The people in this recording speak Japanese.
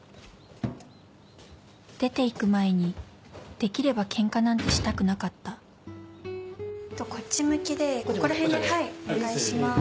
出て行く前にできればケンカなんてしたくなかったこっち向きでここら辺ではいお願いします。